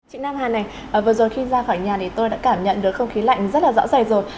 chị nam hàn này vừa rồi khi ra khỏi nhà thì tôi đã cảm nhận được không khí lạnh rất là rõ ràng rồi